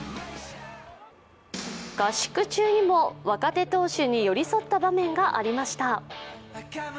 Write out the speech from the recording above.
合宿中にも若手投手に寄り添った場面がありました。